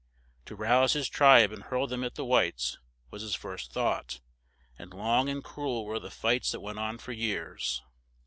To rouse his tribe and hurl them at the whites, was his first thought; and long and cru el were the fights that went on for years.